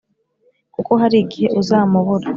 Kuko hari igihe uzamubura